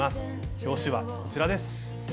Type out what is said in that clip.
表紙はこちらです。